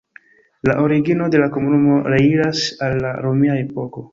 La origino de la komunumo reiras al la romia epoko.